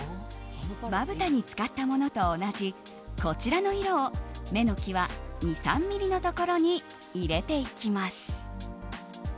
まぶたに使ったものと同じこちらの色を目の際、２３ｍｍのところに入れていきます。